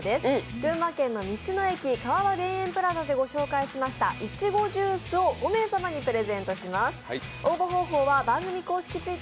群馬県の道の駅川場田園プラザで御紹介しましたいちごジュースを５名様にプレゼントします。